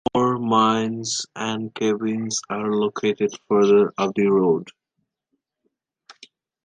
More mines and cabins are located further up the road.